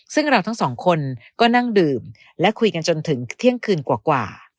ซึ่งเราทั้งสองคนก็นั่งดื่มและคุยกันจนถึงเที่ยงคืนกว่า